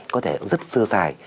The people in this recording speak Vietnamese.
có thể rất sơ sài